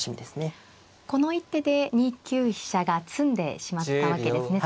この一手で２九飛車が詰んでしまったわけですね